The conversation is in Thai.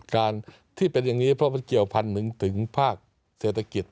การที่เป็นอย่างนี้เพราะมันเกี่ยวพันถึงภาคเศรษฐกิจ